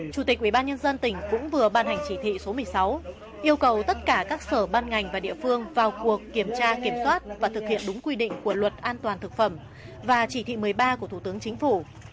chủ tịch ubnd tỉnh cũng vừa ban hành chỉ thị số một mươi sáu yêu cầu tất cả các sở ban ngành và địa phương vào cuộc kiểm tra kiểm soát và thực hiện đúng quy định của luật an toàn thực phẩm và chỉ thị một mươi ba của thủ tướng chính phủ